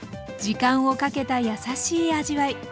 時間をかけたやさしい味わい。